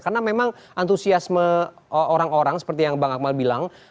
karena memang antusiasme orang orang seperti yang bang amal bilang